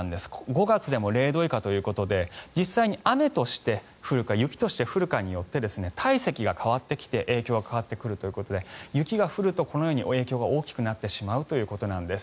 ５月でも０度以下ということで実際に雨として降るか雪として降るかによって体積が変わってきて影響が変わってくるということで雪が降るとこのように影響が大きくなってしまうということなんです。